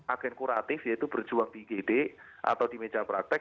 agen kuratif yaitu berjuang di igd atau di meja praktek